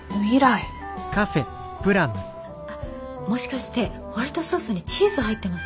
あっもしかしてホワイトソースにチーズ入ってます？